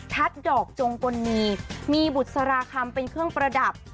ดอกจงกลนีมีบุษราคำเป็นเครื่องประดับ